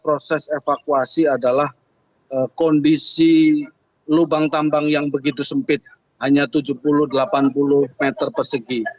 proses evakuasi adalah kondisi lubang tambang yang begitu sempit hanya tujuh puluh delapan puluh meter persegi